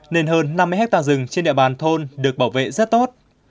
nên hơn năm mươi hectare rừng trên địa bàn thôn được bảo vệ rất tốt